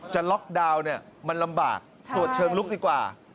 จะล็อกดาวน์เนี่ยมันลำบากตรวจเชิงลุกดีกว่า